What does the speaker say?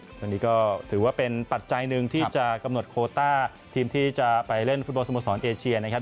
วันนี้ก็ถือว่าเป็นปัจจัยหนึ่งที่จะกำหนดโคต้าทีมที่จะไปเล่นฟุตบอลสโมสรเอเชียนะครับ